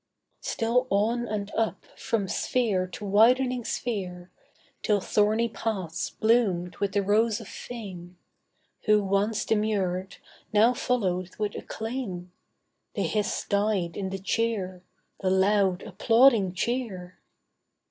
Still on and up, from sphere to widening sphere, Till thorny paths bloomed with the rose of fame. Who once demurred, now followed with acclaim: The hiss died in the cheer— The loud applauding cheer.